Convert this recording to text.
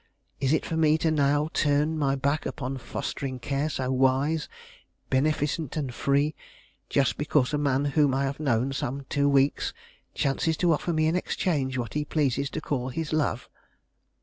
Is it for me now to turn my back upon fostering care so wise, beneficent, and free, just because a man whom I have known some two weeks chances to offer me in exchange what he pleases to call his love?"